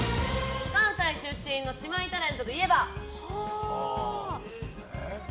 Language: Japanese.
関西出身の姉妹タレントといえば？